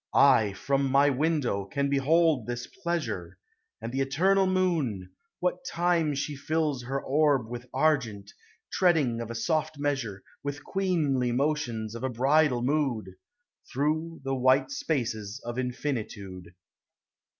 I, from my window, can behold this pleasure; And the eternal moon, what time she tills Her orb with argent, treading a soft measure, With queenly motions of a bridal mood, Through the white spaces of infinitude.